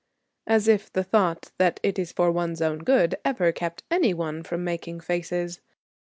As if the thought that it is for one's own good ever kept any one from making faces!